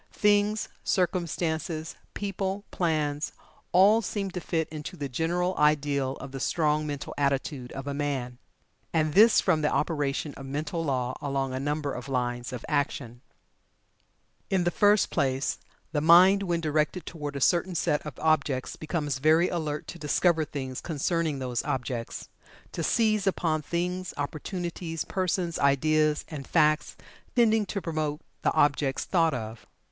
Things, circumstances, people, plans, all seem to fit into the general ideal of the strong mental attitude of a man. And this from the operation of mental law along a number of lines of action. In the first place, the mind when directed toward a certain set of objects becomes very alert to discover things concerning those objects to seize upon things, opportunities, persons, ideas, and facts tending to promote the objects thought of.